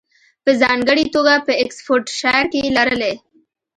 په ځانګړې توګه په اکسفورډشایر کې یې لرلې